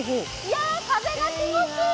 風が気持ちいい。